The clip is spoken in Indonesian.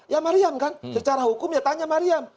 ya mariam kan secara hukum ya tanya mariam